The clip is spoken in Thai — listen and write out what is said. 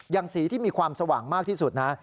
สีที่มีความสว่างมากที่สุดนะ